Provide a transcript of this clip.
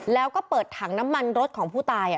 แล้วก็เปิดถังน้ำมันรถของผู้ตาย